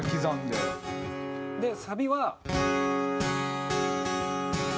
でサビは。